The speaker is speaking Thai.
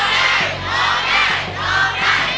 ร้องได้